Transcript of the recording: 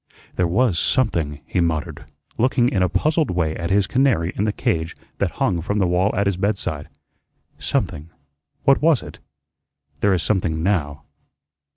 "There was SOMETHING," he muttered, looking in a puzzled way at his canary in the cage that hung from the wall at his bedside; "something. What was it? There is something NOW.